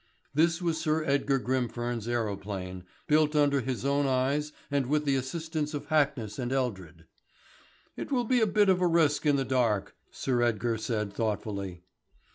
This was Sir Edgar Grimfern's aerophane, built under his own eyes and with the assistance of Hackness and Eldred. "It will be a bit of risk in the dark," Sir Edgar said thoughtfully.